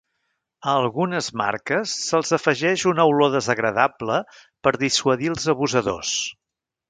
A algunes marques se'ls afegeix una olor desagradable per dissuadir els abusadors.